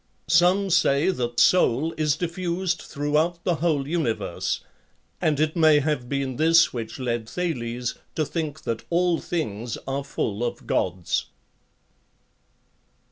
Some say that' soul is diffused throughout the whole uni verse; and ii may have been this which led Thales to think that all things are full of gods.